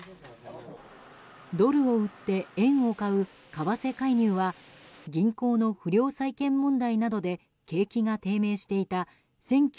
ドルを売って円を買う為替介入は銀行の不良債権問題などで景気が低迷していた